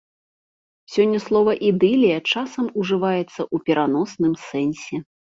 Сёння слова ідылія часам ужываецца ў пераносным сэнсе.